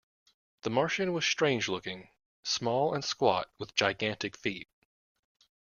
The Martian was strange-looking: small and squat with gigantic feet.